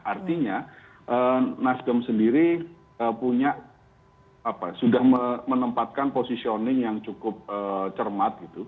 artinya nasdem sendiri sudah menempatkan posisioning yang cukup cermat